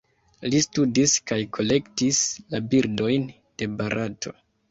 Li studis kaj kolektis la birdojn de Barato.